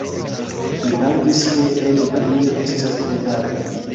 Mi aŭdis, ke en Balio estas tre varme.